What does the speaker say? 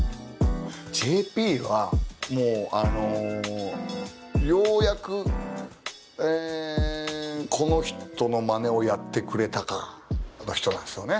ＪＰはもうあのようやくこの人のマネをやってくれたかの人なんですよね。